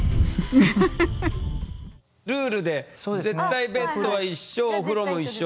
ルールで絶対ベッドは一緒お風呂も一緒。